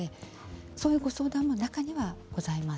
そういうご相談も中にはございます。